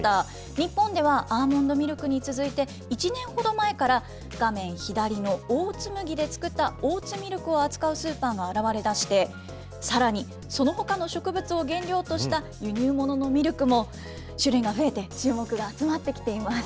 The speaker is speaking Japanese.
日本ではアーモンドミルクに続いて、１年ほど前から、画面左のオーツ麦で作ったオーツミルクを扱うスーパーが現れだして、さらに、そのほかの植物を原料とした輸入物のミルクも種類が増えて、注目が集まってきています。